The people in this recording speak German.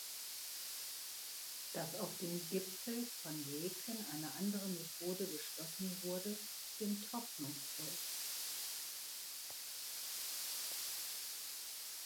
Dass auf dem Gipfel von Laeken eine andere Methode beschlossen wurde, stimmt hoffnungsvoll.